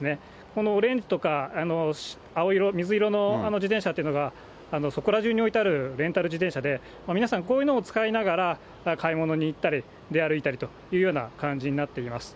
このオレンジとか青色、水色の自転車っていうのが、そこら中に置いてあるレンタル自転車で、皆さん、こういうのを使いながら、買い物に行ったり、出歩いたりといった感じになっています。